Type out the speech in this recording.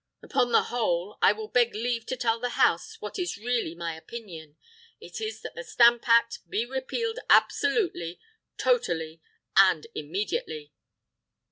"Upon the whole, I will beg leave to tell the House what is really my opinion. It is that the Stamp Act be repealed absolutely, totally, and immediately."